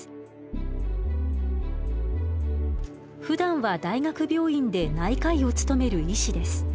ふだんは大学病院で内科医をつとめる医師です。